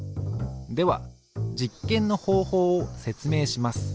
では実験の方法を説明します。